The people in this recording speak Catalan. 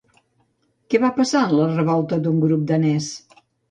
Què va passar en la revolta d'un grup danès?